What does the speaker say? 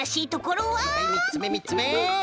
はいはいみっつめみっつめ。